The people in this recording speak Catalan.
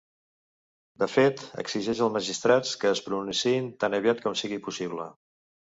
De fet, exigeix als magistrats que es pronunciïn ‘tan aviat com sigui possible’.